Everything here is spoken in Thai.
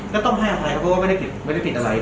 ก็ต้องภายหายอภัยเพราะว่าไม่ได้พิษอะไร